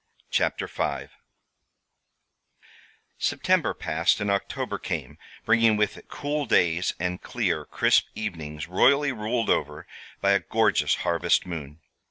TIGER SKINS September passed and October came, bringing with it cool days and clear, crisp evenings royally ruled over by a gorgeous harvest moon.